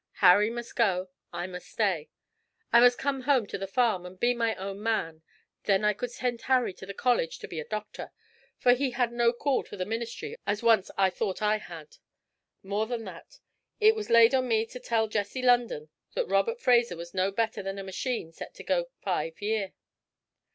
Harry must go, I must stay. I must come home to the farm, and be my own "man"; then I could send Harry to the college to be a doctor, for he had no call to the ministry as once I thought I had. More than that, It was laid on me to tell Jessie London that Robert Fraser was no better than a machine set to go five year.